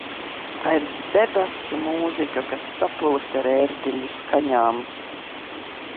Tā ir debesu mūzika, kas saplūst ar ērģeļu skaņām.